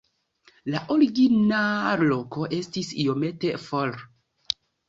La origina loko estis iomete for.